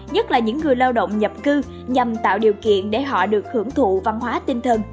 nhất là những người lao động nhập cư nhằm tạo điều kiện để họ được hưởng thụ văn hóa tinh thần